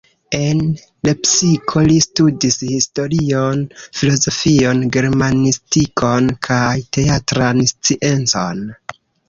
En Lepsiko li studis historion, filozofion, germanistikon kaj teatran sciencon.